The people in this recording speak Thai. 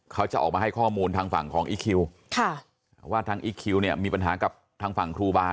เขาจะออกมาให้ข้อมูลทางฝั่งของอีคคิวว่าทางอีคคิวเนี่ยมีปัญหากับทางฝั่งครูบา